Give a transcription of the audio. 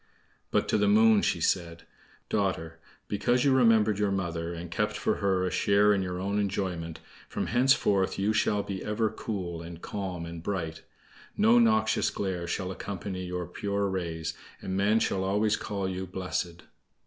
But to the Moon she said: "Daughter, because you remembered your mother, and kept for her a share in your own enjoyment, from henceforth you shall be ever cool, and calm, and bright. No noxious glare shall accompany your pure rays, and men shall always call you 'blessed.